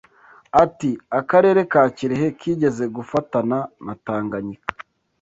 Ati “Akarere ka Kirehe kigeze gufatana na Tanganyika